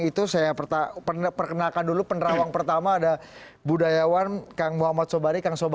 itu saya perkenalkan dulu penerawang pertama ada budayawan kang muhammad sobari kang sobari